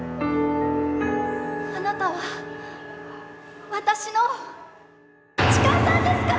あなたは私の痴漢さんですか